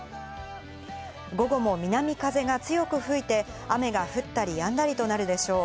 午後も南風が強く吹いて、雨が降ったりやんだりとなるでしょう。